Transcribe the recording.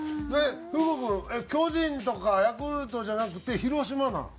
福君巨人とかヤクルトじゃなくて広島なん？